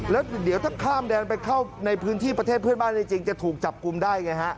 แล้วเดี๋ยวถ้าข้ามแดนไปเข้าในพื้นที่ประเทศเพื่อนบ้านจริงจะถูกจับกลุ่มได้ไงฮะ